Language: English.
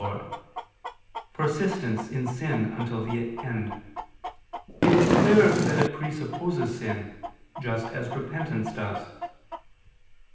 lxxi) persistence in sin until the end, it is clear that it presupposes sin, just as repentance does.